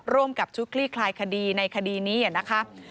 ร่วมกับชุดคลี่คลายคดีในคดีนี้นะคะ